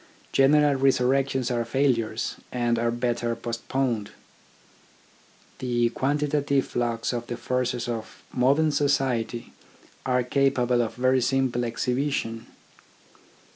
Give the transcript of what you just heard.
General resurrections are failures, and are better post poned. The quantitative flux of the forces of THE AIMS OF EDUCATION 17 modern society are capable of very simple exhibition.